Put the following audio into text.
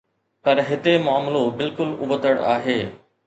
پر هتي معاملو بلڪل ابتڙ آهي.